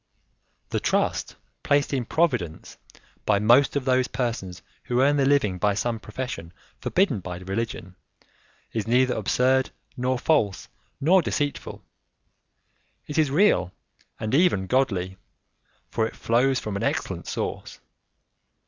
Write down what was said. The trust placed in Providence by most of those persons who earn their living by some profession forbidden by religion is neither absurd, nor false, nor deceitful; it is real and even godly, for it flows from an excellent source.